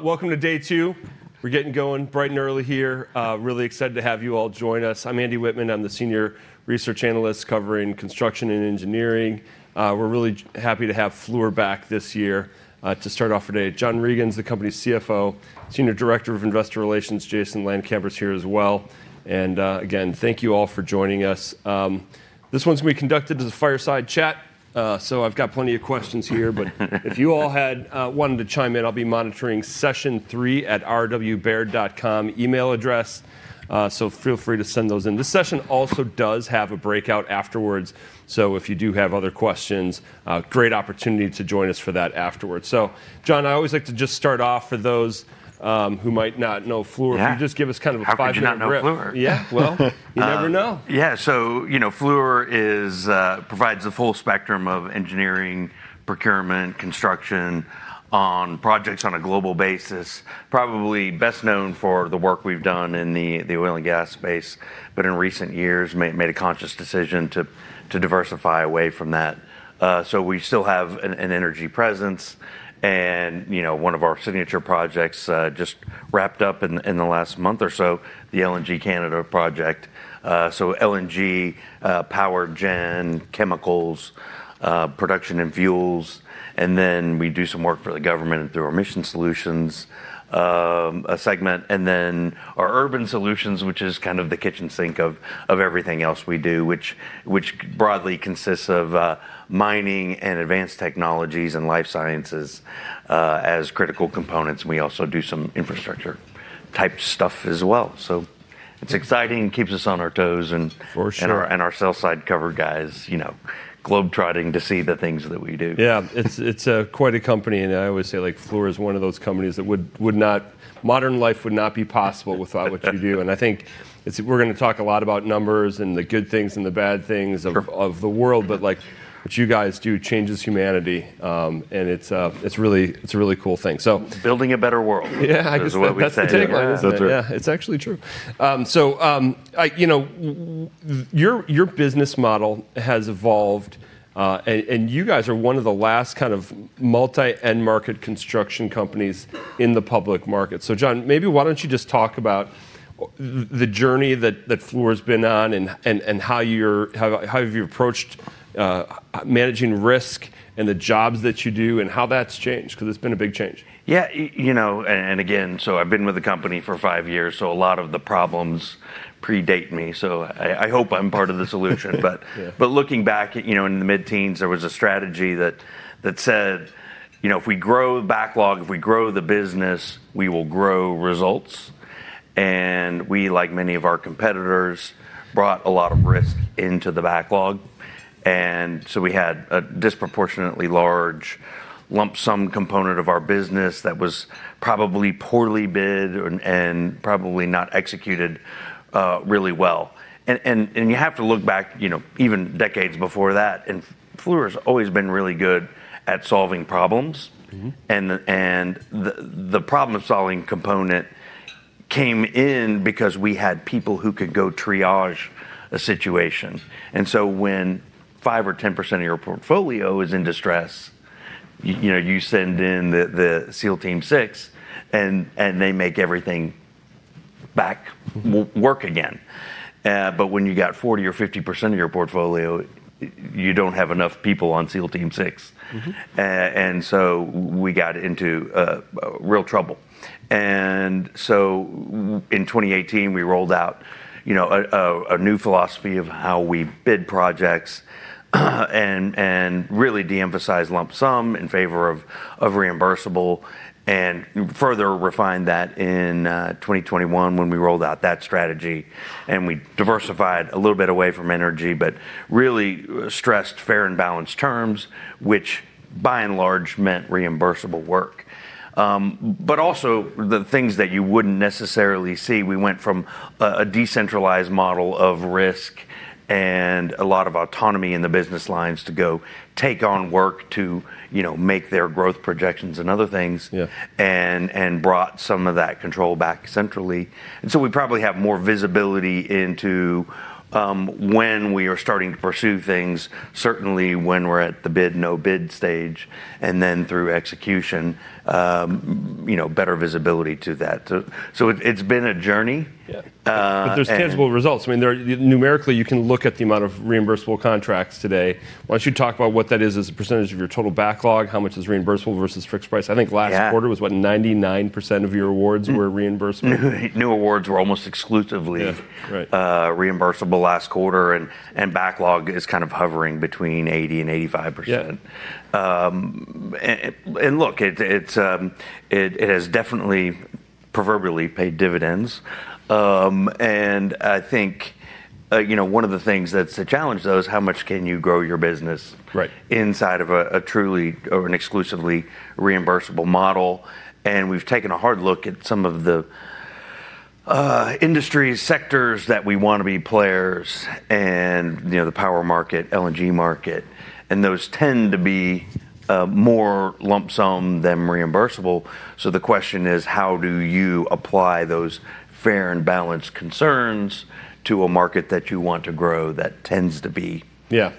Welcome to day two. We're getting going bright and early here. Really excited to have you all join us. I'm Andy Wittman. I'm the Senior Research Analyst covering construction and engineering. We're really happy to have Fluor back this year to start off our day. John Regan's the company's CFO, Senior Director of Investor Relations, Jason Landkamer is here as well. Again, thank you all for joining us. This one's going to be conducted as a fireside chat. I've got plenty of questions here. If you all had wanted to chime in, I'll be monitoring session3@rwbaird.com email address. Feel free to send those in. This session also does have a breakout afterwards. If you do have other questions, great opportunity to join us for that afterwards. John, I always like to just start off for those who might not know Fluor, if you could just give us kind of a five-minute rip. I do not know Fluor. Yeah, you never know. Yeah, so Fluor provides the full spectrum of engineering, procurement, construction on projects on a global basis, probably best known for the work we've done in the oil and gas space. In recent years, made a conscious decision to diversify away from that. We still have an energy presence. One of our signature projects just wrapped up in the last month or so, the LNG Canada project. LNG, Power Gen, chemicals, production and fuels. We do some work for the government through our Mission Solutions segment. Our Urban Solutions, which is kind of the kitchen sink of everything else we do, broadly consists of mining and advanced technologies and life sciences as critical components. We also do some infrastructure type stuff as well. It's exciting. Keeps us on our toes and our sell-side covered guys, globetrotting to see the things that we do. Yeah, it's quite a company. I always say Fluor is one of those companies that modern life would not be possible without what you do. I think we're going to talk a lot about numbers and the good things and the bad things of the world. What you guys do changes humanity. It's a really cool thing. Building a better world. Yeah, I guess that's the takeaway. That's it. Yeah, it's actually true. Your business model has evolved. You guys are one of the last kind of multi-end market construction companies in the public market. John, maybe why don't you just talk about the journey that Fluor's been on and how you've approached managing risk and the jobs that you do and how that's changed? Because it's been a big change. Yeah, you know, and again, so I've been with the company for five years. So a lot of the problems predate me. I hope I'm part of the solution. Looking back in the mid-teens, there was a strategy that said, if we grow the backlog, if we grow the business, we will grow results. We, like many of our competitors, brought a lot of risk into the backlog. We had a disproportionately large lump sum component of our business that was probably poorly bid and probably not executed really well. You have to look back even decades before that. Fluor's always been really good at solving problems. The problem-solving component came in because we had people who could go triage a situation. When 5% or 10% of your portfolio is in distress, you send in the SEAL Team Six, and they make everything back work again. When you got 40% or 50% of your portfolio, you do not have enough people on SEAL Team Six. We got into real trouble. In 2018, we rolled out a new philosophy of how we bid projects and really de-emphasized lump sum in favor of reimbursable and further refined that in 2021 when we rolled out that strategy. We diversified a little bit away from energy, but really stressed fair and balanced terms, which by and large meant reimbursable work. Also the things that you would not necessarily see, we went from a decentralized model of risk and a lot of autonomy in the business lines to go take on work to make their growth projections and other things and brought some of that control back centrally. We probably have more visibility into when we are starting to pursue things, certainly when we are at the bid/no bid stage, and then through execution, better visibility to that. It has been a journey. There are tangible results. I mean, numerically, you can look at the amount of reimbursable contracts today. Why do you not talk about what that is as a percentage of your total backlog? How much is reimbursable versus fixed price? I think last quarter was what, 99% of your awards were reimbursable? New awards were almost exclusively reimbursable last quarter. Backlog is kind of hovering between 80%-85%. It has definitely proverbially paid dividends. I think one of the things that's a challenge, though, is how much can you grow your business inside of a truly or an exclusively reimbursable model? We've taken a hard look at some of the industries, sectors that we want to be players, and the power market, LNG market. Those tend to be more lump sum than reimbursable. The question is, how do you apply those fair and balanced concerns to a market that you want to grow that tends to be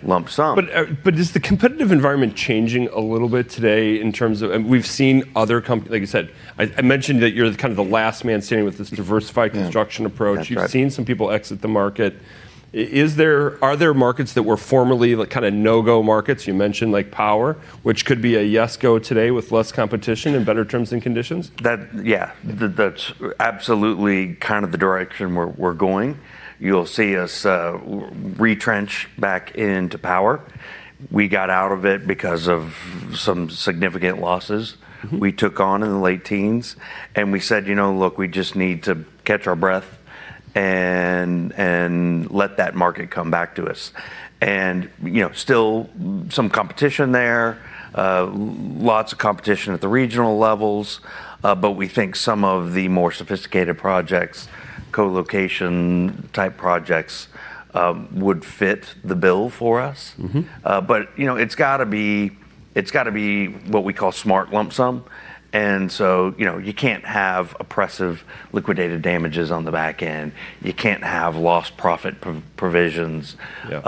lump sum? Is the competitive environment changing a little bit today in terms of we've seen other companies, like you said, I mentioned that you're kind of the last man standing with this diversified construction approach. You've seen some people exit the market. Are there markets that were formerly kind of no-go markets? You mentioned power, which could be a yes-go today with less competition and better terms and conditions. Yeah, that's absolutely kind of the direction we're going. You'll see us retrench back into power. We got out of it because of some significant losses we took on in the late teens. We said, you know, look, we just need to catch our breath and let that market come back to us. There is still some competition there, lots of competition at the regional levels. We think some of the more sophisticated projects, co-location type projects would fit the bill for us. It's got to be what we call smart lump sum. You can't have oppressive liquidated damages on the back end. You can't have lost profit provisions. You're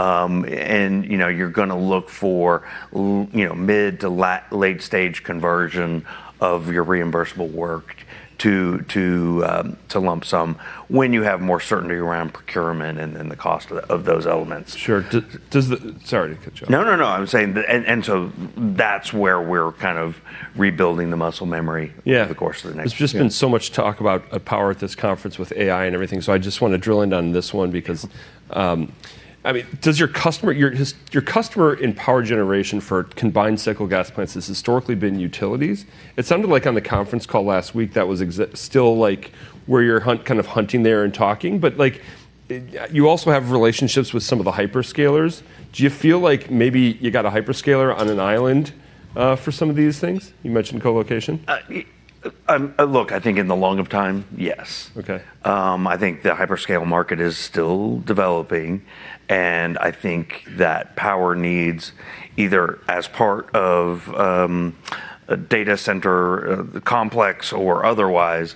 going to look for mid to late stage conversion of your reimbursable work to lump sum when you have more certainty around procurement and then the cost of those elements. Sure. Sorry to cut you off. No, no, no. I'm saying, and so that's where we're kind of rebuilding the muscle memory over the course of the next year. There's just been so much talk about power at this conference with AI and everything. I just want to drill in on this one because, I mean, does your customer in power generation for combined cycle gas plants historically been utilities? It sounded like on the conference call last week, that was still like where you're kind of hunting there and talking. You also have relationships with some of the hyperscalers. Do you feel like maybe you got a hyperscaler on an island for some of these things? You mentioned co-location. Look, I think in the long of time, yes. I think the hyperscale market is still developing. I think that power needs, either as part of a data center complex or otherwise,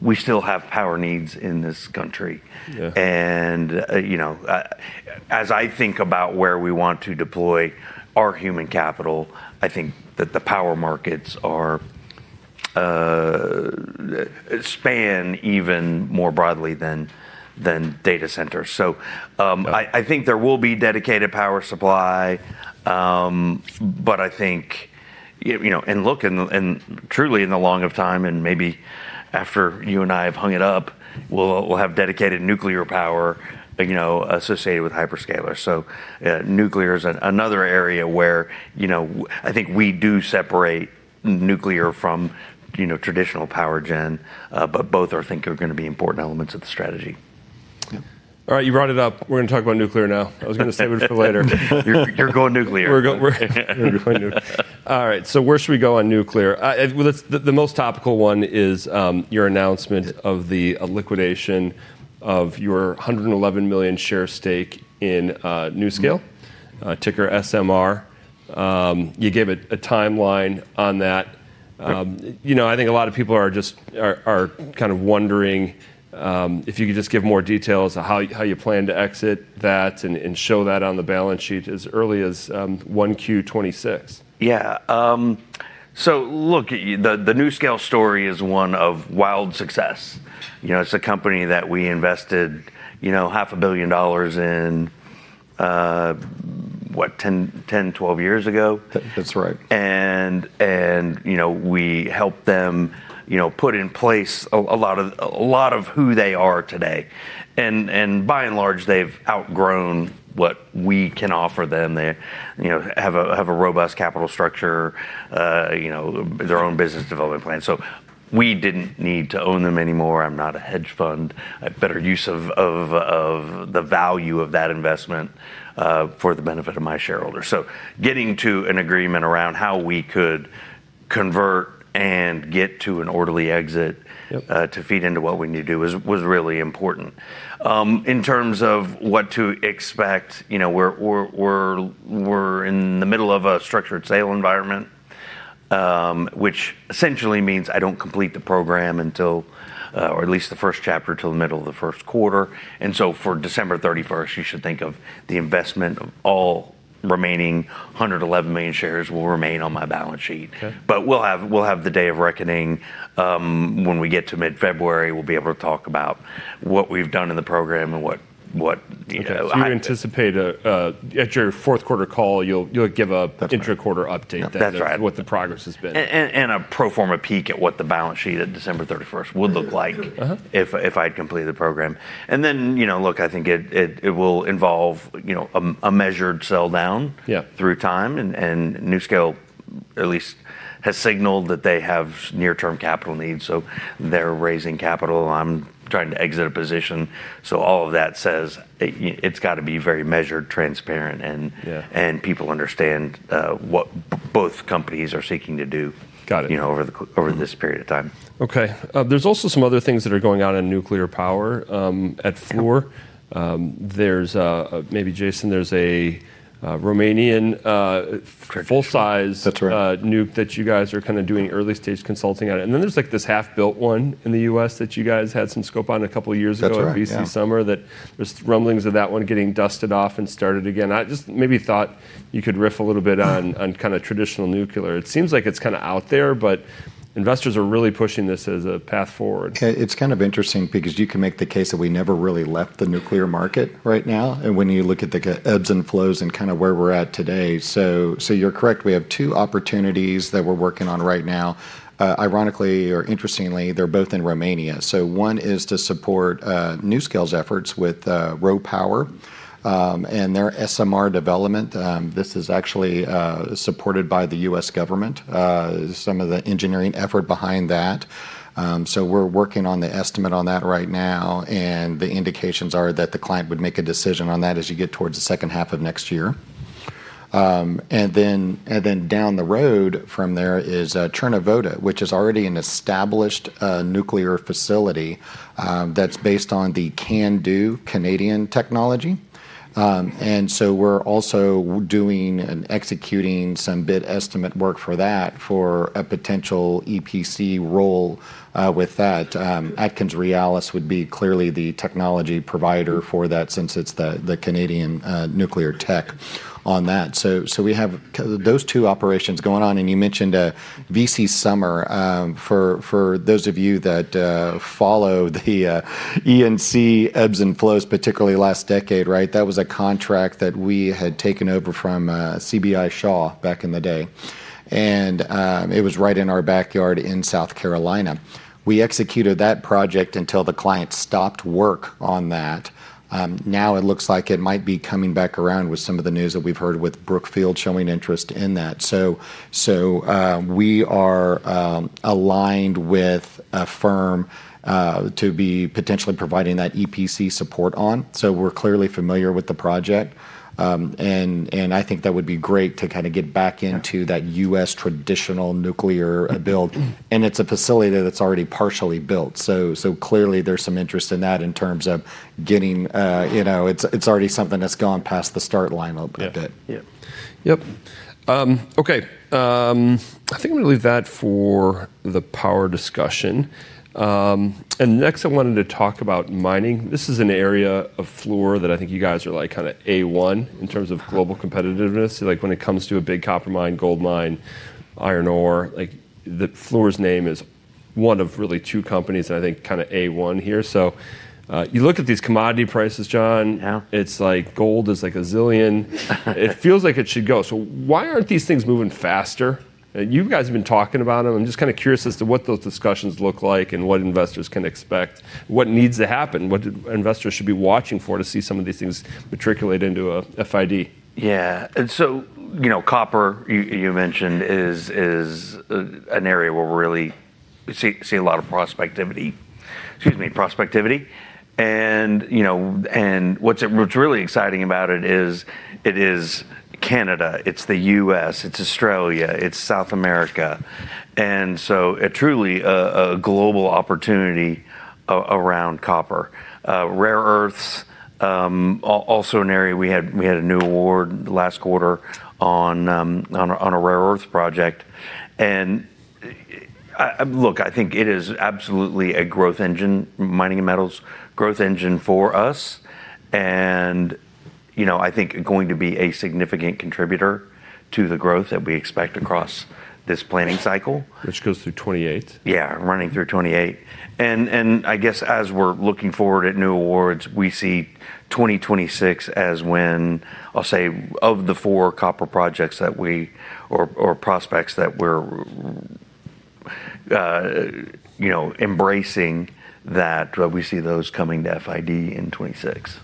we still have power needs in this country. As I think about where we want to deploy our human capital, I think that the power markets span even more broadly than data centers. I think there will be dedicated power supply. I think, and look, and truly in the long of time, and maybe after you and I have hung it up, we'll have dedicated nuclear power associated with hyperscalers. Nuclear is another area where I think we do separate nuclear from traditional power gen. Both I think are going to be important elements of the strategy. All right, you brought it up. We're going to talk about nuclear now. I was going to save it for later. You're going nuclear. All right, so where should we go on nuclear? The most topical one is your announcement of the liquidation of your 111 million share stake in NuScale, ticker SMR. You gave a timeline on that. I think a lot of people are just kind of wondering if you could just give more details of how you plan to exit that and show that on the balance sheet as early as 1Q 2026. Yeah, so look, the NuScale story is one of wild success. It's a company that we invested $500,000,000 in, what, 10, 12 years ago. That's right. We helped them put in place a lot of who they are today. By and large, they've outgrown what we can offer them. They have a robust capital structure, their own business development plan. We did not need to own them anymore. I'm not a hedge fund. Better use of the value of that investment for the benefit of my shareholders. Getting to an agreement around how we could convert and get to an orderly exit to feed into what we need to do was really important. In terms of what to expect, we're in the middle of a structured sale environment, which essentially means I do not complete the program until, or at least the first chapter, until the middle of the first quarter. For December 31, you should think of the investment of all remaining 111 million shares will remain on my balance sheet. We'll have the day of reckoning. When we get to mid-February, we'll be able to talk about what we've done in the program and what. You anticipate at your fourth quarter call, you'll give an intra-quarter update what the progress has been. A pro forma peek at what the balance sheet at December 31 would look like if I'd completed the program. I think it will involve a measured sell down through time. NuScale at least has signaled that they have near-term capital needs. They are raising capital. I'm trying to exit a position. All of that says it's got to be very measured, transparent, and people understand what both companies are seeking to do over this period of time. OK, there's also some other things that are going on in nuclear power at Fluor. Maybe, Jason, there's a Romanian full-size nuke that you guys are kind of doing early stage consulting on. And then there's like this half-built one in the U.S. that you guys had some scope on a couple of years ago this summer that there's rumblings of that one getting dusted off and started again. I just maybe thought you could riff a little bit on kind of traditional nuclear. It seems like it's kind of out there, but investors are really pushing this as a path forward. It's kind of interesting because you can make the case that we never really left the nuclear market right now. And when you look at the ebbs and flows and kind of where we're at today, so you're correct. We have two opportunities that we're working on right now. Ironically or interestingly, they're both in Romania. So one is to support NuScale's efforts with RoPower and their SMR development. This is actually supported by the US government, some of the engineering effort behind that. So we're working on the estimate on that right now. And the indications are that the client would make a decision on that as you get towards the second half of next year. And then down the road from there is Cernavodă, which is already an established nuclear facility that's based on the CANDU Canadian technology. We're also doing and executing some bid estimate work for that for a potential EPC role with that. AtkinsRéalis would be clearly the technology provider for that since it's the Canadian nuclear tech on that. We have those two operations going on. You mentioned V.C. Summer. For those of you that follow the E&C ebbs and flows, particularly last decade, that was a contract that we had taken over from CB&I Shaw back in the day. It was right in our backyard in South Carolina. We executed that project until the client stopped work on that. Now it looks like it might be coming back around with some of the news that we've heard with Brookfield showing interest in that. We are aligned with a firm to be potentially providing that EPC support on. We're clearly familiar with the project. I think that would be great to kind of get back into that US traditional nuclear build. It is a facility that is already partially built. Clearly there is some interest in that in terms of getting it, it is already something that has gone past the start line a little bit. Yep. OK, I think I'm going to leave that for the power discussion. Next, I wanted to talk about mining. This is an area of Fluor that I think you guys are like kind of A1 in terms of global competitiveness. When it comes to a big copper mine, gold mine, iron ore, Fluor's name is one of really two companies that I think kind of A1 here. You look at these commodity prices, John, it's like gold is like a zillion. It feels like it should go. Why aren't these things moving faster? You guys have been talking about them. I'm just kind of curious as to what those discussions look like and what investors can expect, what needs to happen, what investors should be watching for to see some of these things matriculate into FID. Yeah, copper, you mentioned, is an area where we really see a lot of prospectivity. What's really exciting about it is it is Canada. It's the U.S. It's Australia. It's South America. Truly a global opportunity around copper. Rare earths, also an area. We had a new award last quarter on a rare earth project. I think it is absolutely a growth engine, mining and metals, growth engine for us. I think going to be a significant contributor to the growth that we expect across this planning cycle. Which goes through 2028. Yeah, running through 2028. I guess as we're looking forward at new awards, we see 2026 as when, I'll say, of the four copper projects that we or prospects that we're embracing, that we see those coming to FID in 2026.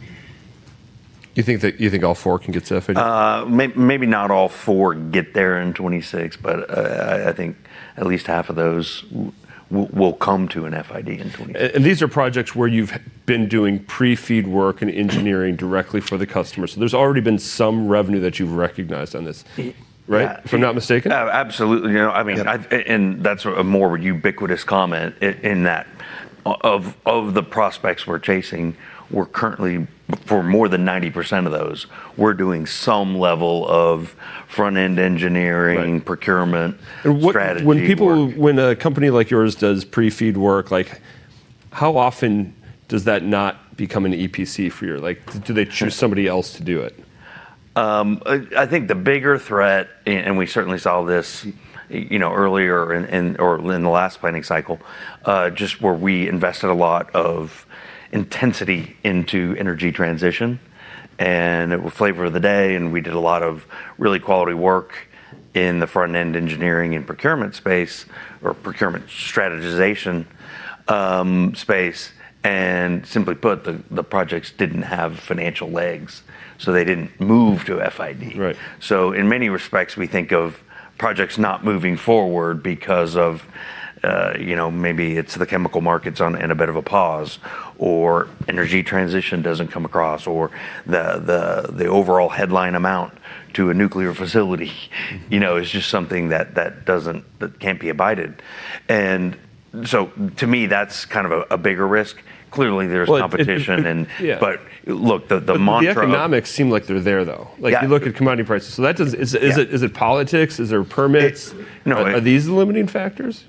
You think all four can get to FID? Maybe not all four get there in 2026. But I think at least half of those will come to an FID in 2026. These are projects where you've been doing pre-feed work and engineering directly for the customer. So there's already been some revenue that you've recognized on this, right, if I'm not mistaken? Absolutely. That is a more ubiquitous comment in that of the prospects we're chasing, we're currently, for more than 90% of those, we're doing some level of front-end engineering, procurement strategy. When a company like yours does pre-FEED work, how often does that not become an EPC for you? Do they choose somebody else to do it? I think the bigger threat, and we certainly saw this earlier or in the last planning cycle, just where we invested a lot of intensity into energy transition. It was flavor of the day. We did a lot of really quality work in the front-end engineering and procurement space or procurement strategization space. Simply put, the projects did not have financial legs. They did not move to FID. In many respects, we think of projects not moving forward because maybe it is the chemical markets on a bit of a pause, or energy transition does not come across, or the overall headline amount to a nuclear facility is just something that cannot be abided. To me, that is kind of a bigger risk. Clearly, there is competition. Look, the mantra. The economics seem like they're there, though. You look at commodity prices. Is it politics? Is there permits? Are these the limiting factors?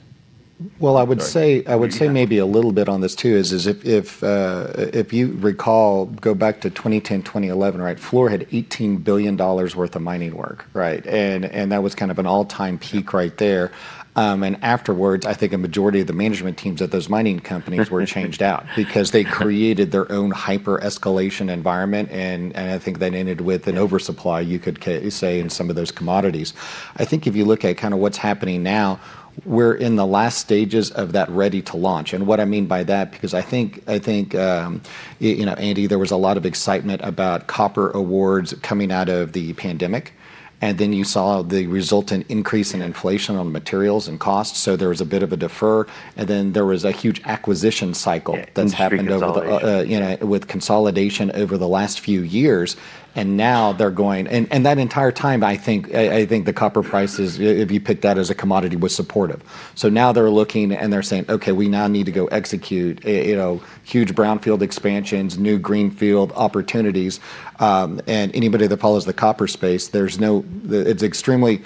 I would say maybe a little bit on this too is if you recall, go back to 2010, 2011, right, Fluor had $18 billion worth of mining work. That was kind of an all-time peak right there. Afterwards, I think a majority of the management teams at those mining companies were changed out because they created their own hyper-escalation environment. I think that ended with an oversupply, you could say, in some of those commodities. I think if you look at kind of what's happening now, we're in the last stages of that ready to launch. What I mean by that, because I think, Andy, there was a lot of excitement about copper awards coming out of the pandemic. Then you saw the resultant increase in inflation on materials and costs. There was a bit of a defer. There was a huge acquisition cycle that has happened with consolidation over the last few years. Now they are going, and that entire time, I think the copper prices, if you pick that as a commodity, was supportive. Now they are looking and they are saying, OK, we now need to go execute huge brownfield expansions, new greenfield opportunities. Anybody that follows the copper space, there is no, it is extremely,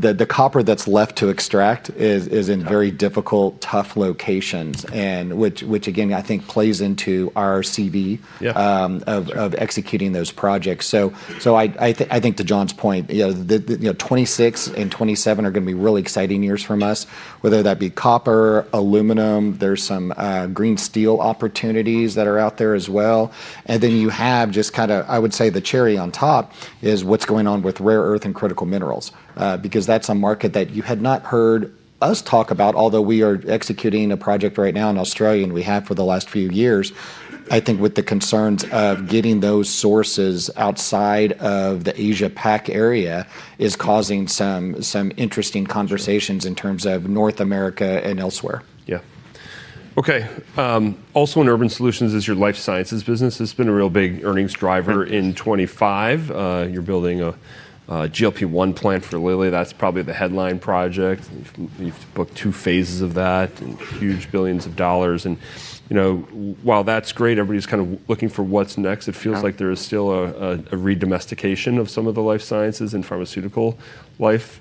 the copper that is left to extract is in very difficult, tough locations, which again, I think plays into our CV of executing those projects. I think to John's point, 2026 and 2027 are going to be really exciting years for us, whether that be copper, aluminum. There are some green steel opportunities that are out there as well. You have just kind of, I would say the cherry on top is what's going on with rare earth and critical minerals, because that's a market that you had not heard us talk about, although we are executing a project right now in Australia and we have for the last few years. I think with the concerns of getting those sources outside of the Asia-Pac area is causing some interesting conversations in terms of North America and elsewhere. Yeah. OK, also in Urban Solutions is your life sciences business. It's been a real big earnings driver in 2025. You're building a GLP-1 plant for Lilly. That's probably the headline project. You've booked two phases of that and huge billions of dollars. While that's great, everybody's kind of looking for what's next. It feels like there is still a redomestication of some of the life sciences and pharmaceutical life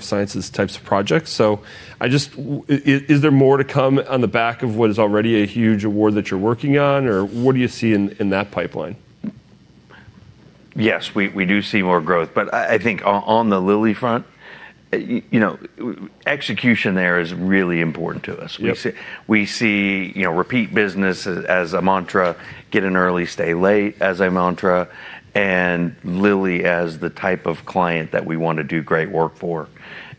sciences types of projects. Is there more to come on the back of what is already a huge award that you're working on? What do you see in that pipeline? Yes, we do see more growth. I think on the Lilly front, execution there is really important to us. We see repeat business as a mantra, get in early, stay late as a mantra, and Lilly as the type of client that we want to do great work for.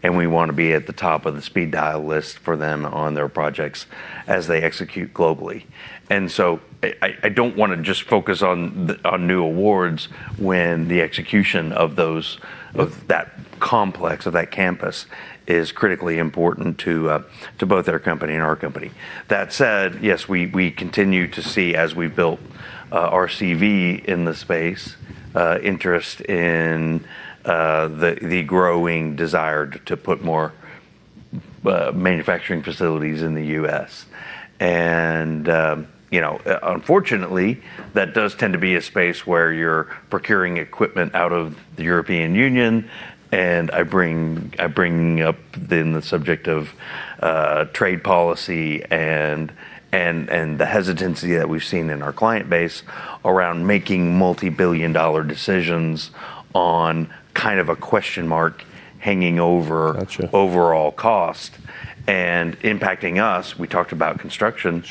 We want to be at the top of the speed dial list for them on their projects as they execute globally. I do not want to just focus on new awards when the execution of that complex, of that campus, is critically important to both our company and our company. That said, yes, we continue to see as we built our CV in the space, interest in the growing desire to put more manufacturing facilities in the US. Unfortunately, that does tend to be a space where you are procuring equipment out of the European Union. I bring up then the subject of trade policy and the hesitancy that we've seen in our client base around making multi-billion dollar decisions on kind of a question mark hanging over overall cost and impacting us. We talked about construction.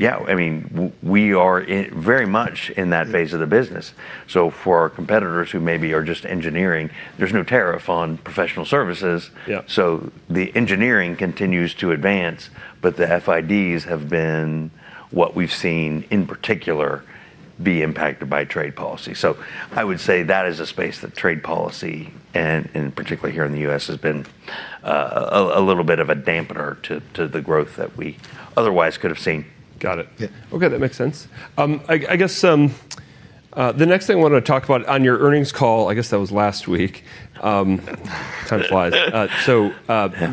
Yeah, I mean, we are very much in that phase of the business. For our competitors who maybe are just engineering, there's no tariff on professional services. The engineering continues to advance. The FIDs have been what we've seen in particular be impacted by trade policy. I would say that is a space that trade policy, and particularly here in the U.S., has been a little bit of a dampener to the growth that we otherwise could have seen. Got it. OK, that makes sense. I guess the next thing I wanted to talk about on your earnings call, I guess that was last week. Time flies.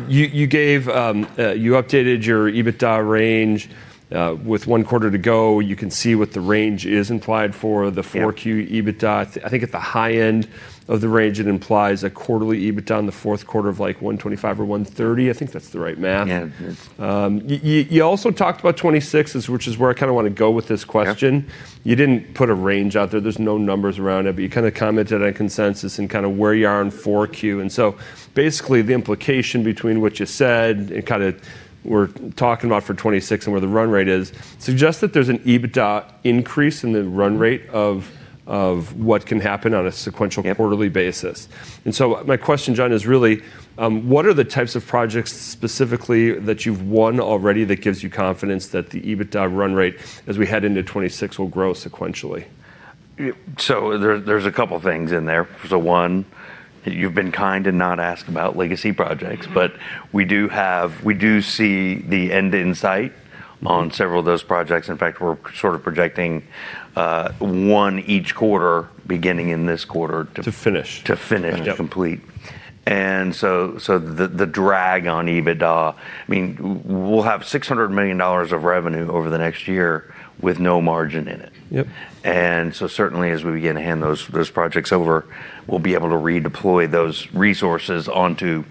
You updated your EBITDA range with one quarter to go. You can see what the range is implied for the 4Q EBITDA. I think at the high end of the range, it implies a quarterly EBITDA in the fourth quarter of like $125 million or $130 million. I think that's the right math. You also talked about 2026, which is where I kind of want to go with this question. You did not put a range out there. There are no numbers around it. You kind of commented on consensus and kind of where you are in 4Q. Basically, the implication between what you said and kind of we're talking about for 2026 and where the run rate is suggests that there's an EBITDA increase in the run rate of what can happen on a sequential quarterly basis. My question, John, is really, what are the types of projects specifically that you've won already that gives you confidence that the EBITDA run rate as we head into 2026 will grow sequentially? There is a couple of things in there. One, you've been kind and not asked about legacy projects. We do see the end in sight on several of those projects. In fact, we're sort of projecting one each quarter beginning in this quarter. To finish. To finish and complete. The drag on EBITDA, I mean, we'll have $600 million of revenue over the next year with no margin in it. Certainly, as we begin to hand those projects over, we'll be able to redeploy those resources onto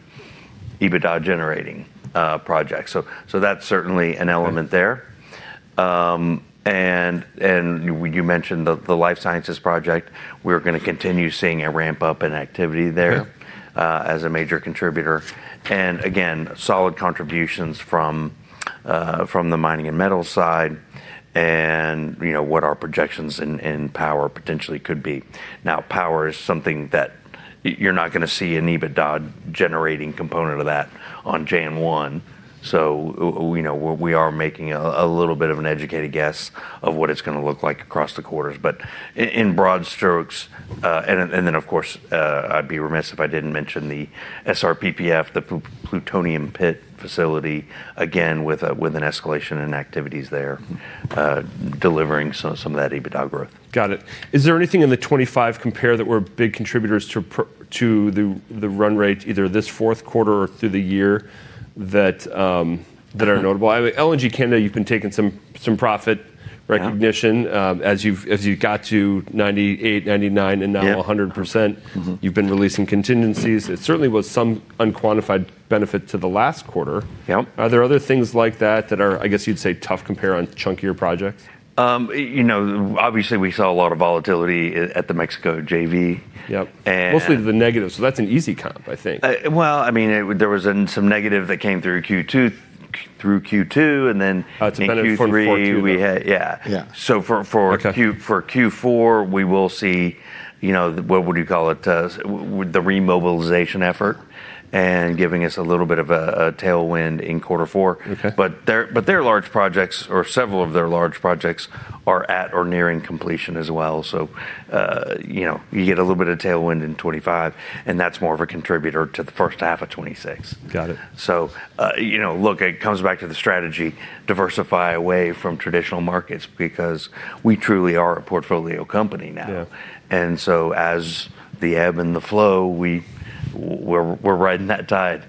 EBITDA-generating projects. That is certainly an element there. You mentioned the life sciences project. We're going to continue seeing a ramp up in activity there as a major contributor. Again, solid contributions from the mining and metal side and what our projections in power potentially could be. Now, power is something that you're not going to see an EBITDA-generating component of that on January 1. We are making a little bit of an educated guess of what it's going to look like across the quarters. In broad strokes, and then of course, I'd be remiss if I didn't mention the SRPPF, the plutonium pit facility, again, with an escalation in activities there delivering some of that EBITDA growth. Got it. Is there anything in the 2025 compare that were big contributors to the run rate either this fourth quarter or through the year that are notable? LNG Canada, you've been taking some profit recognition. As you got to 98%, 99%, and now 100%, you've been releasing contingencies. It certainly was some unquantified benefit to the last quarter. Are there other things like that that are, I guess you'd say, tough compare on chunkier projects? Obviously, we saw a lot of volatility at the Mexico JV. Mostly the negative. That's an easy comp, I think. I mean, there was some negative that came through Q2, through Q2, and then Q3. Oh, it's a benefit for Q4. Yeah. For Q4, we will see, what would you call it, the remobilization effort and giving us a little bit of a tailwind in quarter four. Their large projects, or several of their large projects, are at or nearing completion as well. You get a little bit of tailwind in 2025. That is more of a contributor to the first half of 2026. Got it. Look, it comes back to the strategy, diversify away from traditional markets because we truly are a portfolio company now. And as the ebb and the flow, we're riding that tide.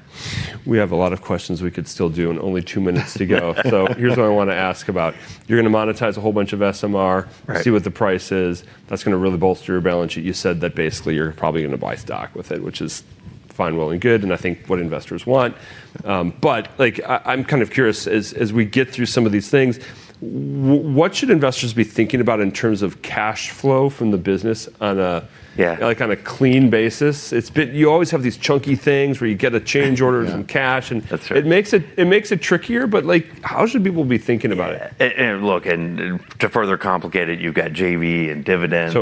We have a lot of questions we could still do and only two minutes to go. Here's what I want to ask about. You're going to monetize a whole bunch of SMR, see what the price is. That's going to really bolster your balance sheet. You said that basically you're probably going to buy stock with it, which is fine and good, and I think what investors want. I'm kind of curious, as we get through some of these things, what should investors be thinking about in terms of cash flow from the business on a clean basis? You always have these chunky things where you get a change order in cash. It makes it trickier. How should people be thinking about it? Look, to further complicate it, you've got JV and dividends.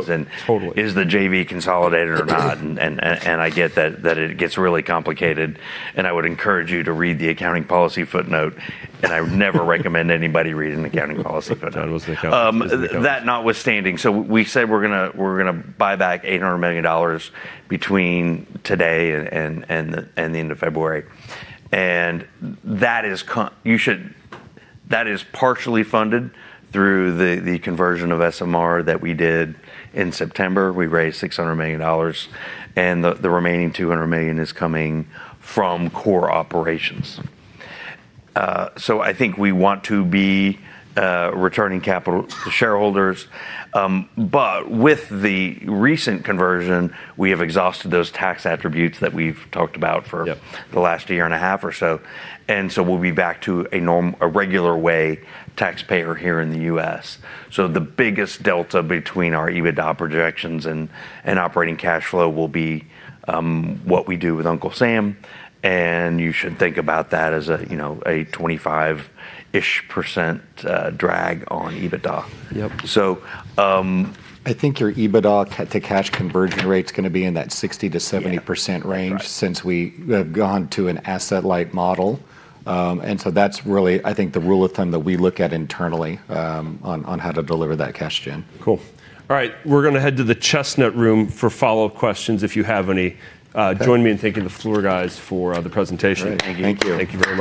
Is the JV consolidated or not? I get that it gets really complicated. I would encourage you to read the accounting policy footnote. I would never recommend anybody reading the accounting policy footnote. That was the accounting policy. That notwithstanding, we said we're going to buy back $800 million between today and the end of February. That is partially funded through the conversion of SMR that we did in September. We raised $600 million. The remaining $200 million is coming from core operations. I think we want to be returning capital to shareholders. With the recent conversion, we have exhausted those tax attributes that we've talked about for the last year and a half or so. We'll be back to a regular way taxpayer here in the U.S. The biggest delta between our EBITDA projections and operating cash flow will be what we do with Uncle Sam. You should think about that as a 25% drag on EBITDA. Yep. I think your EBITDA to cash conversion rate is going to be in that 60%-70% range since we have gone to an asset-light model. That is really, I think, the rule of thumb that we look at internally on how to deliver that cash gen. Cool. All right, we're going to head to the Chestnut Room for follow-up questions if you have any. Join me in thanking the Fluor guys for the presentation. Thank you. Thank you. Thank you.